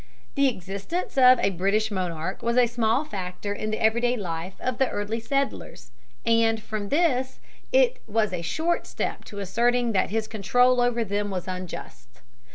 The existence of a British monarch was a small factor in the everyday life of the early settlers, and from this it was a short step to asserting that his control over them was unjust.